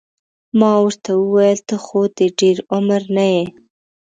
ما ورته وویل ته خو د ډېر عمر نه یې.